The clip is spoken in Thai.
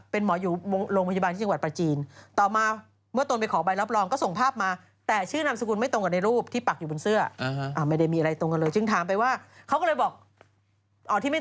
เป็นหมออยู่โรงพยาบาลจังหวัดปลาจีน